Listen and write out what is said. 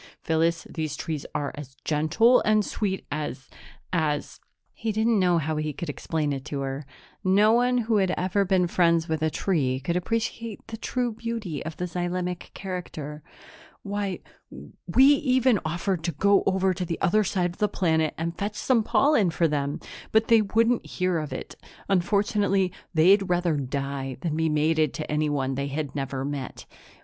"Phyllis, these trees are as gentle and sweet as as " He didn't know how he could explain it to her. No one who had never been friends with a tree could appreciate the true beauty of the xylemic character. "Why, we even offered to go over to the other side of the planet and fetch some pollen for them, but they wouldn't hear of it. Unfortunately, they'd rather die than be mated to anyone they had never met."